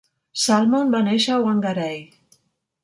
Salmon va néixer a Whangarei.